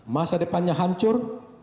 masa depannya hancur